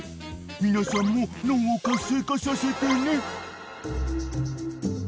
［皆さんも脳を活性化させてね］